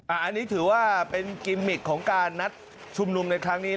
อันนี้ถือว่าเป็นกิมมิกของการนัดชุมนุมในครั้งนี้